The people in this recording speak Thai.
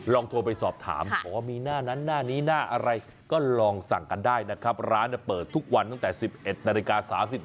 โทรไปสอบถามบอกว่ามีหน้านั้นหน้านี้หน้าอะไรก็ลองสั่งกันได้นะครับร้านเปิดทุกวันตั้งแต่๑๑นาฬิกา๓๐นาที